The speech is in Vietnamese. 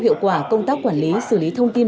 hiệu quả công tác quản lý xử lý thông tin